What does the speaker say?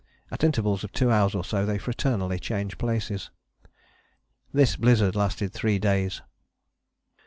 At intervals of two hours or so they fraternally changed places. This blizzard lasted three days.